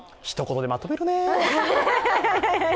一言でまとめるね。